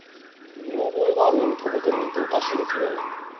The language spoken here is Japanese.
見覚えがあるのにとぼけるなんておかしいですね。